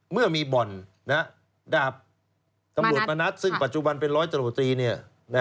เมื่อมีบ่อนดาบตำรวจมณัฐซึ่งปัจจุบันเป็นร้อยตำรวจตรี